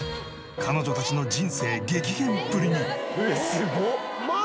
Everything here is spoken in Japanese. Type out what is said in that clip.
彼女たちの人生激変っぷりに。